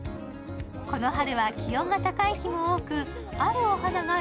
この春は気温が高い日も多く、あるお花が